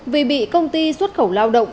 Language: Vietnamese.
vì bị công ty xuất khẩu lao động